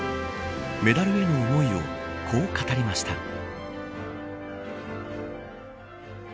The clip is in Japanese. メダルへの思いをこう語りました。